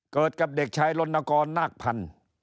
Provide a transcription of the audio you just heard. เกิดกับเด็กชายลนกรนาคพันธุ์